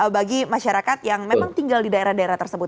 bagi masyarakat yang memang tinggal di daerah daerah tersebut